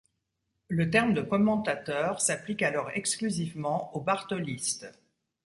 Le terme de commentateurs s’applique alors exclusivement aux bartolistes.